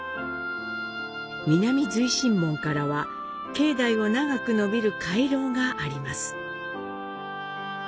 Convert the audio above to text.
南随神門からは境内を長く伸びる廻廊があります。